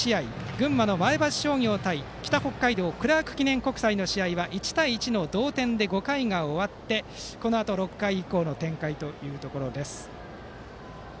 群馬の前橋商業対北北海道・クラーク記念国際の試合は１対１の同点で５回が終わってこのあと６回以降の展開というところです。